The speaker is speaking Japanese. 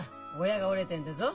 親が折れてんだぞ。